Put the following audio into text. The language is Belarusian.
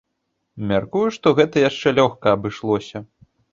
Мяркую, што гэта яшчэ лёгка абышлося.